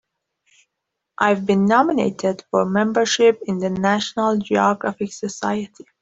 I've been nominated for membership in the National Geographic Society.